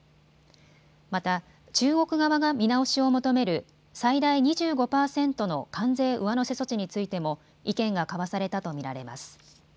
また、中国側が見直しを求める最大２５％の関税上乗せ措置についても意見が交わされたと見られます。